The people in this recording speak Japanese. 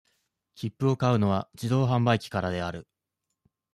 切符を買うのは、自動販売機からである。